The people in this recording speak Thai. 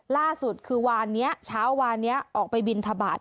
ล่าสุดคือวานนี้เช้าวานนี้ออกไปบินทบาท